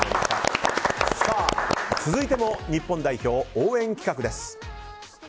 続いても日本代表応援企画です。